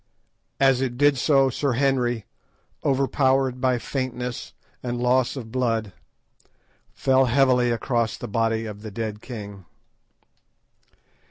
As it did so Sir Henry, overpowered by faintness and loss of blood, fell heavily across the body of the dead king.